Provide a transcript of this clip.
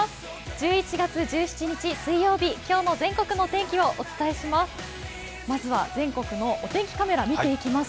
１１月１７日水曜日、今日も全国の天気をお伝えします。